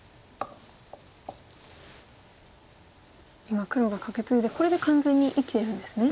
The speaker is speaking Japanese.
今黒がカケツイでこれで完全に生きてるんですね。